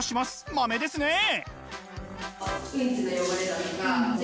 マメですねえ。